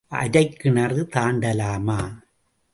அரைக் கிணறு தாண்டலாமா?